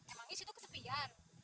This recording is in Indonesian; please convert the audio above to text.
emang isi tuh kesepian